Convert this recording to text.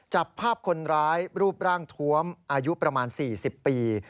จับภาพคนร้ายรูปร่างทวมอายุประมาณ๔๐ปี